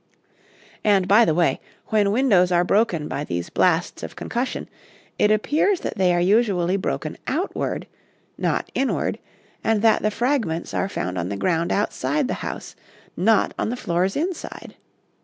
And, by the way, when windows are broken by these blasts of concussion, it appears that they are usually broken outward, not inward, and that the fragments are found on the ground outside the house, not on the floors inside.